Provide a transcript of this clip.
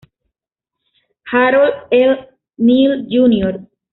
Harold L. Neal, Jr.